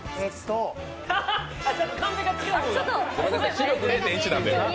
視力０．１なんで。